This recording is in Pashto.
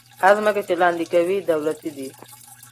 هغه ځمکې چې لاندې کوي، دولتي دي.